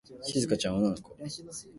しずかちゃんは女の子。